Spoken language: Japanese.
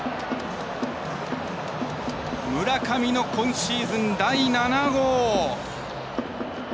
村上の今シーズン第７号。